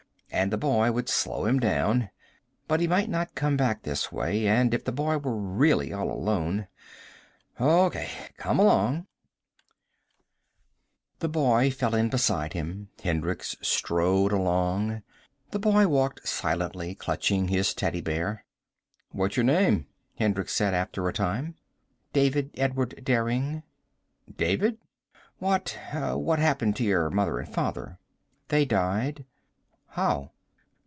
And the boy would slow him down. But he might not come back this way. And if the boy were really all alone "Okay. Come along." The boy fell in beside him. Hendricks strode along. The boy walked silently, clutching his teddy bear. "What's your name?" Hendricks said, after a time. "David Edward Derring." "David? What what happened to your mother and father?" "They died." "How?"